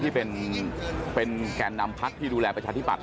ที่เป็นแก่นนำพักที่ดูแลประชาธิบัต